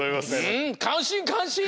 うんかんしんかんしん。